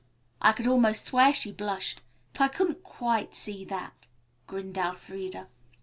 I could almost swear she blushed, but I couldn't quite see that," grinned Elfreda.